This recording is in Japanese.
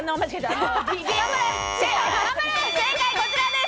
正解こちらです。